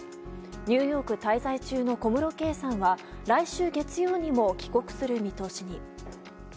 ニューヨーク滞在中の小室圭さんは来週月曜にも帰国する見通しに。